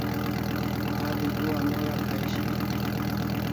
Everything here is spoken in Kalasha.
Asi bo anora Kai shiau e?